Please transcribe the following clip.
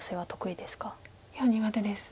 いや苦手です。